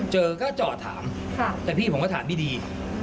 เจอก็จอดถามแต่พี่ผมก็ถามไม่ดี